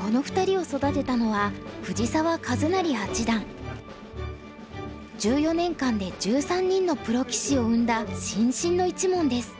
この２人を育てたのは１４年間で１３人のプロ棋士を生んだ新進の一門です。